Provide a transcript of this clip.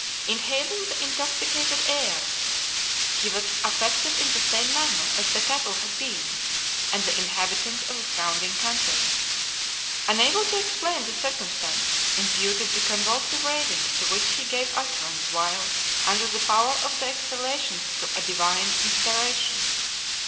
Inhaling the intoxicating air, he was affected in the same manner as the cattle had been, and the inhabitants of the surrounding country, unable to explain the circumstance, imputed the convulsive ravings to which he gave utterance while under the power of the exhalations to a divine inspiration.